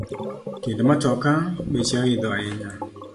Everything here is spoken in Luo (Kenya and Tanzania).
Tiend matoka beche oidho ahinya